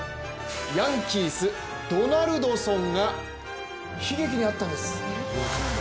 ヤンキース、ドナルドソンが悲劇に遭ったんです。